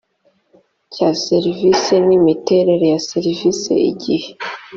cya serivisi n imiterere ya serivisi igihe